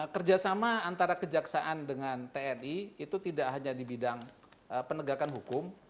kerjasama antara kejaksaan dengan tni itu tidak hanya di bidang penegakan hukum